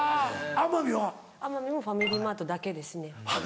奄美もファミリーマートだけですね。